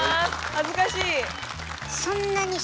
恥ずかしい。